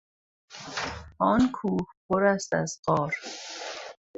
آن کوه پر است از غار.